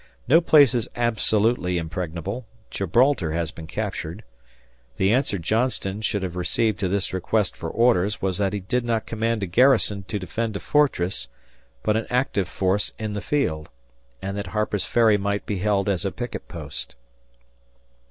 No place is absolutely impregnable; Gibraltar has been captured. The answer Johnston should have received to this request for orders was that he did not command a garrison to defend a fortress, but an active force in the field; and that Harper's Ferry might be held as a picket post.